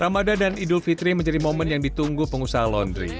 ramadan dan idul fitri menjadi momen yang ditunggu pengusaha laundry